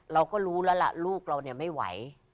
เราก็รู้แล้วล่ะลูกเราเนี่ยไม่ไหว